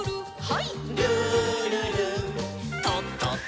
はい。